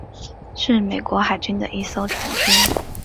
是美国海军的一艘船只。